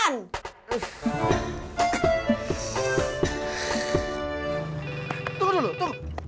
tunggu dulu tunggu